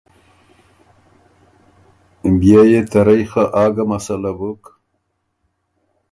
بيې يې ته رئ خه آ ګۀ مسلۀ بُک۔